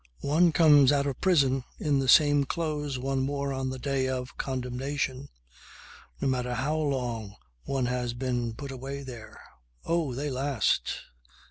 One comes out of prison in the same clothes one wore on the day of condemnation, no matter how long one has been put away there. Oh, they last!